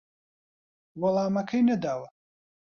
وەڵامەکەی نەداوە